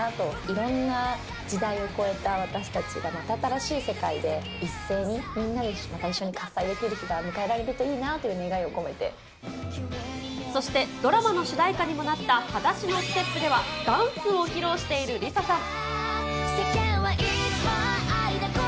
いろんな時代を超えた私たちがまた新しい世界で、一斉にみんなでまた一緒に喝采できる日が迎えられるといいなといそして、ドラマの主題歌にもなったハダシノステップでは、ダンスを披露しているＬｉＳＡさん。